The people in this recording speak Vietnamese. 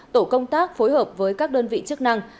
tổ công tác phối hợp với các đơn vị chức năng